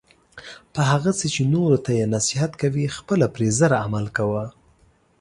په هغه څه چې نورو ته یی نصیحت کوي خپله پری زر عمل کوه